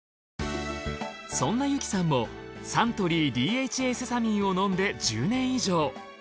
そんな由紀さんもサントリーＤＨＡセサミンを飲んで１０年以上。